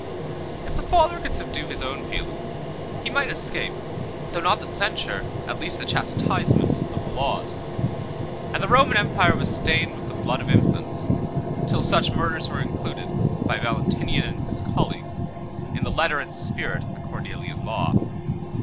112 If the father could subdue his own feelings, he might escape, though not the censure, at least the chastisement, of the laws; and the Roman empire was stained with the blood of infants, till such murders were included, by Valentinian and his colleagues, in the letter and spirit of the Cornelian law.